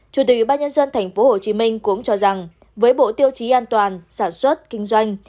chủ tịch bác nhân dân tp hcm cũng cho rằng với bộ tiêu chí an toàn sản xuất kinh doanh